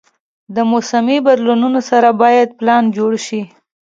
د موسمي بدلونونو سره باید پلان جوړ شي.